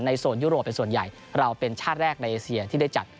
โซนยุโรปเป็นส่วนใหญ่เราเป็นชาติแรกในเอเซียที่ได้จัด